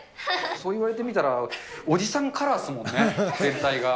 そう言われてみたら、おじさんカラーっすもんね、全体が。